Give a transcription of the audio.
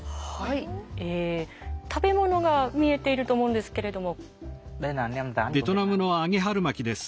食べ物が見えていると思うんですけれども。